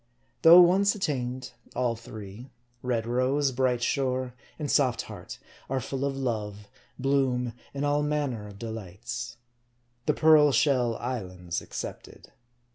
Though once attained, all three red rose, bright shore, and soft heart are full of love, bloom, and all manner of de lights. The Pearl SheU islands excepted.